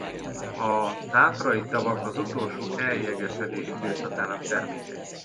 A tátrai tavak az utolsó eljegesedés időszakának termékei.